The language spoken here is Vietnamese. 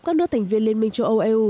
các nước thành viên liên minh châu âu eu